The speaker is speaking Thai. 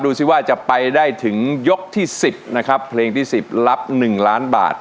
ดูสิว่าจะไปได้ถึงยกที่๑๐นะครับเพลงที่๑๐รับ๑ล้านบาท